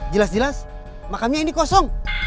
jelas jelas makamnya ini kosong